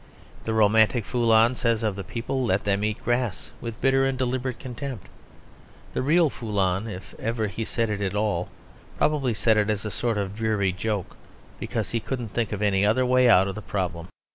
The romantic Foulon says of the people, "Let them eat grass," with bitter and deliberate contempt. The real Foulon (if he ever said it at all) probably said it as a sort of dreary joke because he couldn't think of any other way out of the problem.